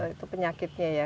itu penyakitnya ya